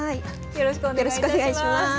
よろしくお願いします。